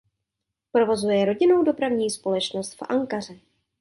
Provozuje rodinnou dopravní společnost v Ankaře.